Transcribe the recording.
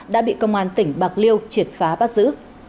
đã bị công an tỉnh bạc liêu triệt phá bắt giữ